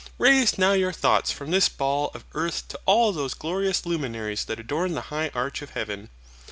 Raise now your thoughts from this ball of earth to all those glorious luminaries that adorn the high arch of heaven.